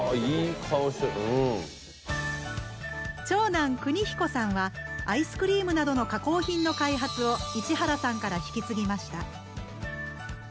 長男邦彦さんはアイスクリームなどの加工品の開発を市原さんから引き継ぎました。